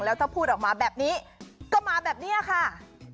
แล้วถ้าพูดออกมาแบบนี้ก็มาแบบนี้ค่ะ